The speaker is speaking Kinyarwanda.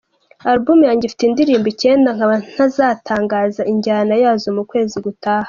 Album yanjye ifite indirimbo icyenda nkaba nzatangaza injyana yazo mu kwezi gutaha".